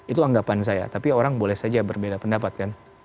itu anggapan saya tapi orang boleh saja berbeda pendapat kan